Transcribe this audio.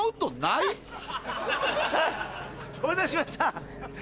お待たせしました。